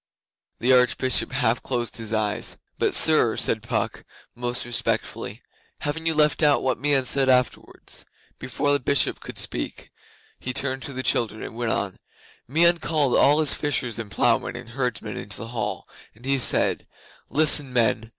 The Arch bishop half closed his eyes. 'But, sir,' said Puck, most respectfully, 'haven't you left out what Meon said afterwards?' Before the Bishop could speak he turned to the children and went on: 'Meon called all his fishers and ploughmen and herdsmen into the hall and he said: "Listen, men!